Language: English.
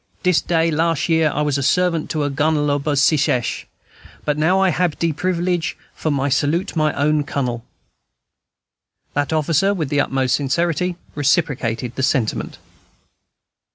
Dis day las' year I was servant to a Gunnel ob Secesh; but now I hab de privilege for salute my own Cunnel." That officer, with the utmost sincerity, reciprocated the sentiment.